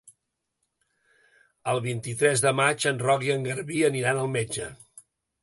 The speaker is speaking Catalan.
El vint-i-tres de maig en Roc i en Garbí aniran al metge.